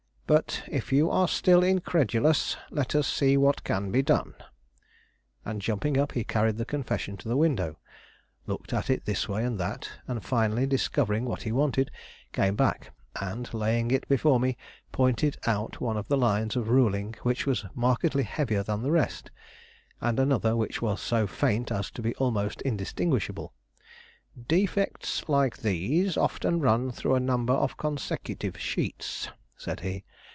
But, if you are still incredulous, let us see what can be done," and jumping up, he carried the confession to the window, looked at it this way and that, and, finally discovering what he wanted, came back and, laying it before me, pointed out one of the lines of ruling which was markedly heavier than the rest, and another which was so faint as to be almost undistinguishable. "Defects like these often run through a number of consecutive sheets," said he.